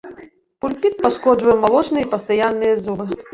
Пульпіт пашкоджвае малочныя і пастаянныя зубы.